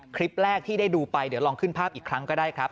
คลิปแรกที่ได้ดูไปเดี๋ยวลองขึ้นภาพอีกครั้งก็ได้ครับ